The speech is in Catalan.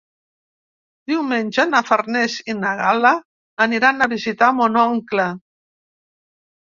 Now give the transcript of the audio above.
Diumenge na Farners i na Gal·la aniran a visitar mon oncle.